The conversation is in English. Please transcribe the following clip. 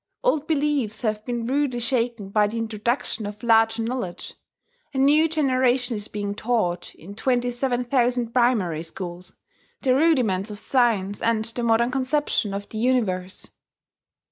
Old beliefs have been rudely shaken by the introduction of larger knowledge: a new generation is being taught, in twenty seven thousand primary schools, the rudiments of science and the modern conception of the universe.